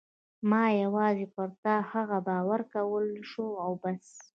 ما یوازې پر تا د هغه باور کولای شو او بس.